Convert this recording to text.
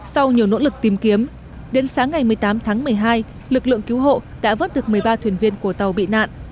sau nhiều nỗ lực tìm kiếm đến sáng ngày một mươi tám tháng một mươi hai lực lượng cứu hộ đã vớt được một mươi ba thuyền viên của tàu bị nạn